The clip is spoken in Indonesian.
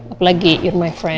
apalagi kamu temanku